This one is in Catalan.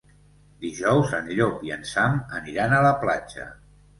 Dijous en Llop i en Sam aniran a la platja.